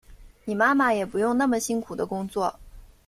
你妈妈也不用那么辛苦的工作